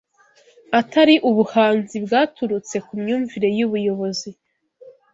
atari ubuhanzi bwaturutse ku myumvire y’ubuyobozi